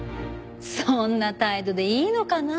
そんな態度でいいのかなあ？